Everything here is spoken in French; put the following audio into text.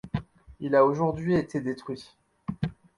Il a aujourd'hui été détruit.